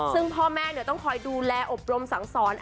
ซึ่งพ่อแม่ต้องคอยดูแลอบรมสั่งสอน